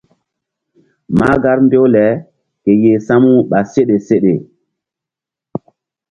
Mahgar mbew le ke yeh samu ɓa seɗe seɗe.